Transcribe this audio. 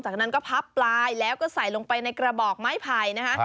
จากนั้นก็พับปลายแล้วก็ใส่ลงไปในกระบอกไม้ไผ่นะคะ